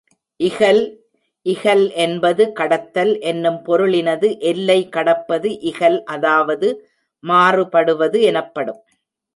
இகல் இகல் என்பது கடத்தல் என்னும் பொருளினது எல்லை கடப்பது இகல் அதாவது மாறுபடுவது எனப்படும்.